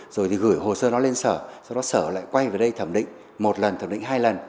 rồi thì gửi hồ sơ nó lên sở sau đó sở lại quay về đây thẩm định một lần thẩm định hai lần